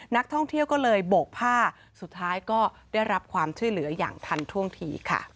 นักท่องเที่ยวก็เลยโบกผ้าสุดท้ายก็ได้รับความช่วยเหลืออย่างทันท่วงทีค่ะ